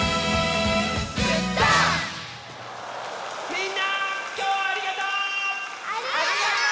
みんなきょうはありがとう！